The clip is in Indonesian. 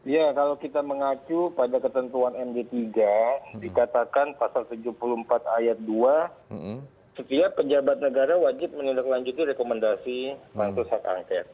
iya kalau kita mengaku pada ketentuan md tiga dikatakan pasal tujuh puluh empat ayat dua setiap pejabat negara wajib menilai kelanjutan rekomendasi bantuan saat angket